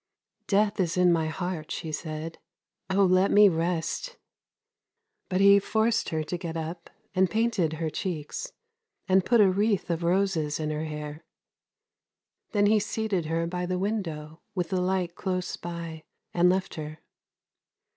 '' Death is in my heart !' she said. ' Oh, let me rest !' But he forced her to get up, and painted her cheeks, and put a wreath of roses in her hair. Then he seated her by the window, with the light close by, and left her.